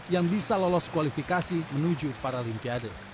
yang bisa lolos kualifikasi menuju paralimpiade